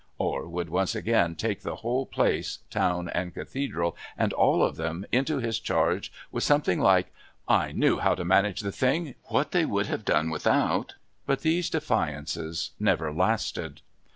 or would once again take the whole place, town and Cathedral and all of them, into his charge with something like, "I knew how to manage the thing. What they would have done without " But these defiances never lasted.